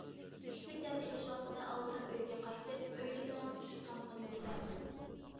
چۈشلۈك دەم ئېلىش ۋاقتىدا ئالدىراپ ئۆيگە قايتىپ، ئۆيدىكىلەرنىڭ چۈشلۈك تامىقىنى بەردىم.